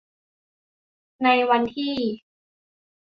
ในวันที่